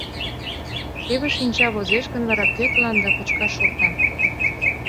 — Теве шинча возеш гын, вара кӧ тыланда кочкаш шолта?